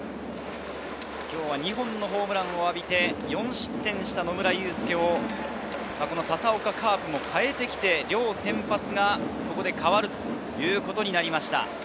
２本のホームランを浴びて４失点した野村祐輔を、佐々岡カープも代えてきて、両先発が変わるということになりました。